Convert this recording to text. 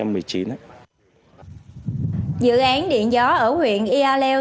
dự án điện gió ở huyện ialeo